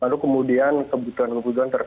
lalu kemudian kebutuhan kebutuhan